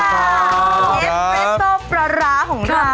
อัสเพรสโซปราร้าของเรา